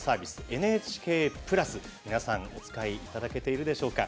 ＮＨＫプラス、お使いいただいていますでしょうか？